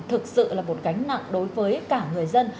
thực sự là một cánh nặng đối với cả người dân